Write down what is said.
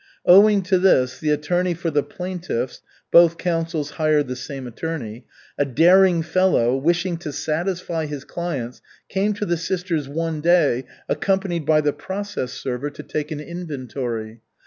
Owing to this, the attorney for the plaintiffs (both councils hired the same attorney), a daring fellow, wishing to satisfy his clients, came to the sisters one day, accompanied by the process server, to take an inventory.